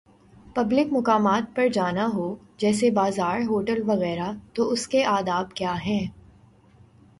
Public مقامات پر جانا ہو، جیسے بازار" ہوٹل وغیرہ تو اس کے آداب کیا ہیں۔